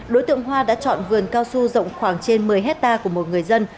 đối tượng hoa đã chọn vườn cao su rộng khoảng trên một mươi hectare của một người dân